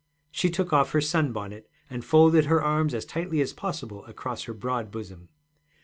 She took off her sunbonnet, and folded her arms as tightly as possible across her broad bosom.